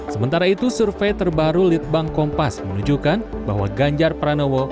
sementara itu survei terbaru litbang kompas menunjukkan bahwa ganjar pranowo